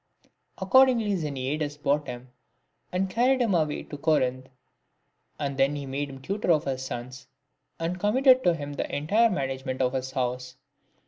Accordingly Xeniades bought him and carried him away to Corinth ; and then he made him tutor of his sons, and com mitted to him the entire management of his house.